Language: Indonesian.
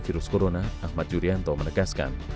virus corona ahmad yuryanto menegaskan